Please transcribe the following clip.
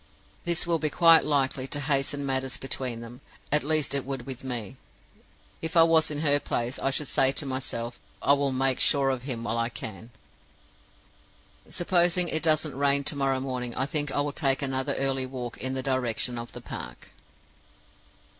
This will be quite likely to hasten matters between them; at least it would with me. If I was in her place, I should say to myself, 'I will make sure of him while I can.' Supposing it doesn't rain to morrow morning, I think I will take another early walk in the direction of the park."